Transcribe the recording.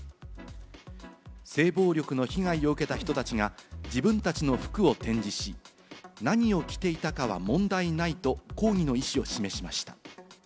性暴力の被害を受けた人たちが自分たちの服を展示し、何を着ていたかは問題ないと抗議の意思を示しました。